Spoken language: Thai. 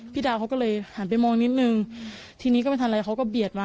ดาวเขาก็เลยหันไปมองนิดนึงทีนี้ก็ไม่ทันอะไรเขาก็เบียดมา